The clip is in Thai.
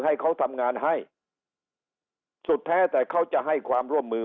ให้เขาทำงานให้สุดแท้แต่เขาจะให้ความร่วมมือ